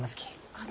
あの。